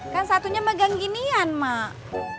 kan satunya megang ginian mak